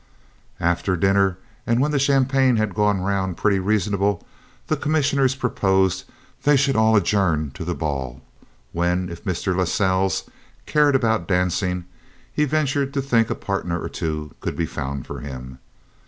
After dinner, and when the champagne had gone round pretty reasonable, the Commissioner proposed they should all adjourn to the ball, when, if Mr. Lascelles cared about dancing, he ventured to think a partner or two could be found for him.